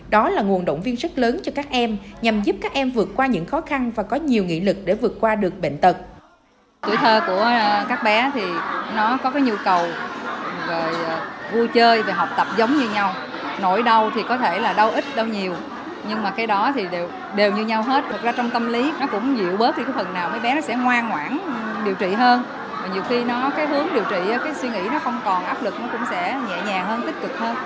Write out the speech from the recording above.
đó là nguồn động viên sức lớn cho các em nhằm giúp các em vượt qua những khó khăn và có nhiều nghị lực để vượt qua được bệnh tật